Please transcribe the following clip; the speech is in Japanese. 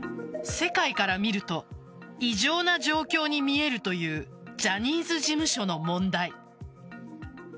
世界から見ると異常な状況に見えるというジャニーズ事務所の問題。